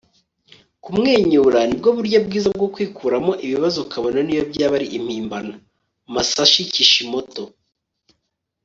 kumwenyura ni bwo buryo bwiza bwo kwikuramo ibibazo kabone niyo byaba ari impimbano. - masashi kishimoto